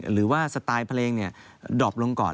หรือว่าสไตล์เพลงดอบลงก่อน